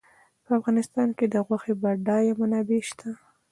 په افغانستان کې د غوښې بډایه منابع شته.